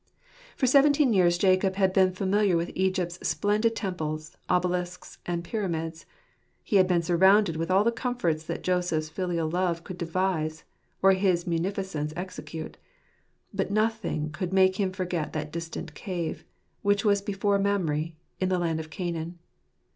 For seventeen years Jacob had been familiar with Egypt's splendid temples, obelisks, and pyramids ; he had been surrounded with all the comforts that Joseph's filial love could devise or his munificence execute ; but nothing could make him forget that distant cave, which was before Mamre, in the land of Canaan.